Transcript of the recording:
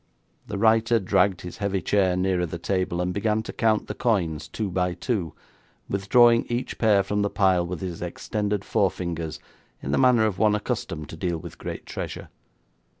The writer dragged his heavy chair nearer the table, and began to count the coins two by two, withdrawing each pair from the pile with his extended forefingers in the manner of one accustomed to deal with great treasure.